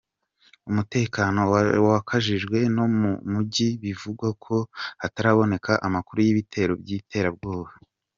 Umutekano wakajijwe no mu mijyi bivugwa ko hataraboneka amakuru y’ibitero by’iterabwoba.